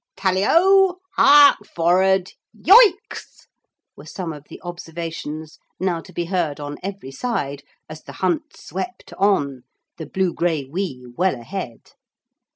'Tally Ho! Hark forrad! Yoicks!' were some of the observations now to be heard on every side as the hunt swept on, the blugraiwee well ahead.